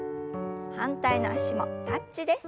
反対の脚もタッチです。